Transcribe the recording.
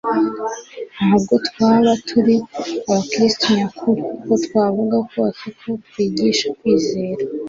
ntabwo twaba turi abakristo nyakuri uko twavuga kose ko twigisha kwizera.